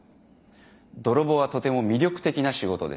泥棒はとても魅力的な仕事です。